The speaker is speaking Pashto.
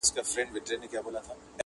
• دوو لا نورو ګرېوانونه وه څیرلي -